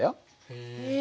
へえ。